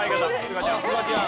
菅ちゃん。